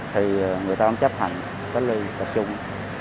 thì người ta cũng chấp hành cách ly tập trung